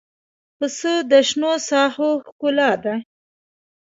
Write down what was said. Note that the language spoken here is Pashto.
پسه د شنو ساحو ښکلا ده.